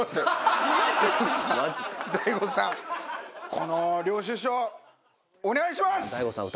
この領収書お願いします。